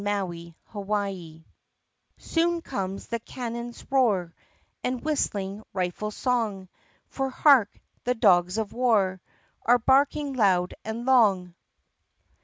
CHAPTER XV Soon comes the cannon's roar And whistling rifle song! For , hark! the dogs of war Are harking loud and long!